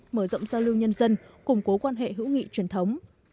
mở rộng giao lưu nhân dân củng cố quan hệ hữu nghị truyền thống